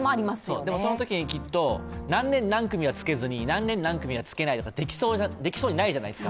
でも、そのときにきっと、何年何組は着けずに、何年何組は着けるって、できそうになんじゃないですか。